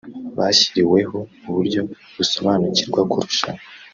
bashyireweho uburyo basobanukirwa kurushaho